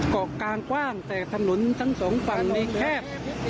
เกาะกลางกว้างแต่ถนนทั้งสองฝั่งนี้แคบ